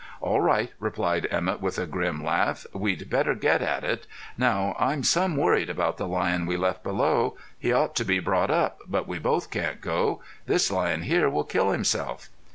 "All right," replied Emett, with a grim laugh. "We'd better get at it. Now I'm some worried about the lion we left below. He ought to be brought up, but we both can't go. This lion here will kill himself."